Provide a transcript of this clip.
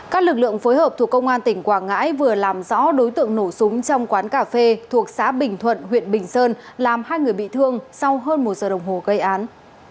các lực lượng phối hợp thuộc công an tỉnh quảng ngãi vừa làm rõ đối tượng nổ súng trong quán cà phê thuộc xã bình thuận huyện bình sơn làm hai người bị thương sau hơn một giờ đồng hồ gây án